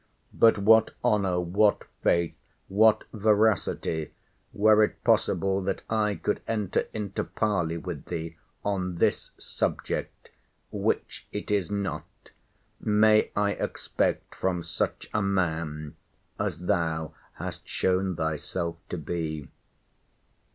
—But what honour, what faith, what veracity, were it possible that I could enter into parley with thee on this subject, (which it is not,) may I expect from such a man as thou hast shown thyself to be?